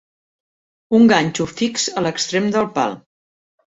Un ganxo fix a l'extrem del pal.